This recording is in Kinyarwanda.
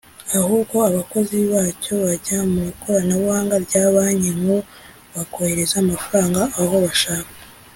ahubwo abakozi bacyo bajya mu ikoranabuhanga rya Banki Nkuru bakohereza amafaranga aho bashaka